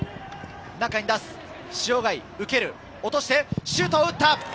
中に出す、塩貝が受ける、落としてシュートを打った。